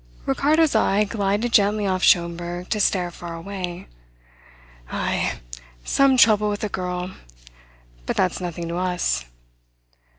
Ricardo's eye glided gently off Schomberg to stare far away. "Ay! Some trouble with a girl. But that's nothing to us."